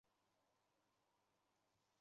圆形盘肠蚤为盘肠蚤科盘肠蚤属的动物。